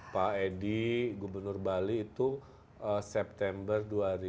pak edi gubernur bali itu september dua ribu dua puluh